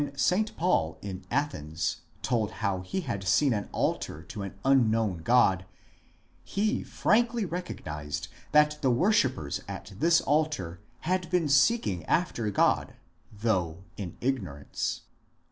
4 IMMORTALITY AND THE UNSEEN WORLD St. Paul in Athens told how he had seen an altar to an unknown god, he frankly recognized that the worshippers at this altar had been seeking after God, though in ignorance.